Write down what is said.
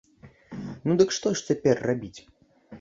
Ну, дык што ж цяпер рабіць?